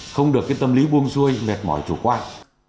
không được cái tâm lý buông xuôi mệt mỏi chủ quan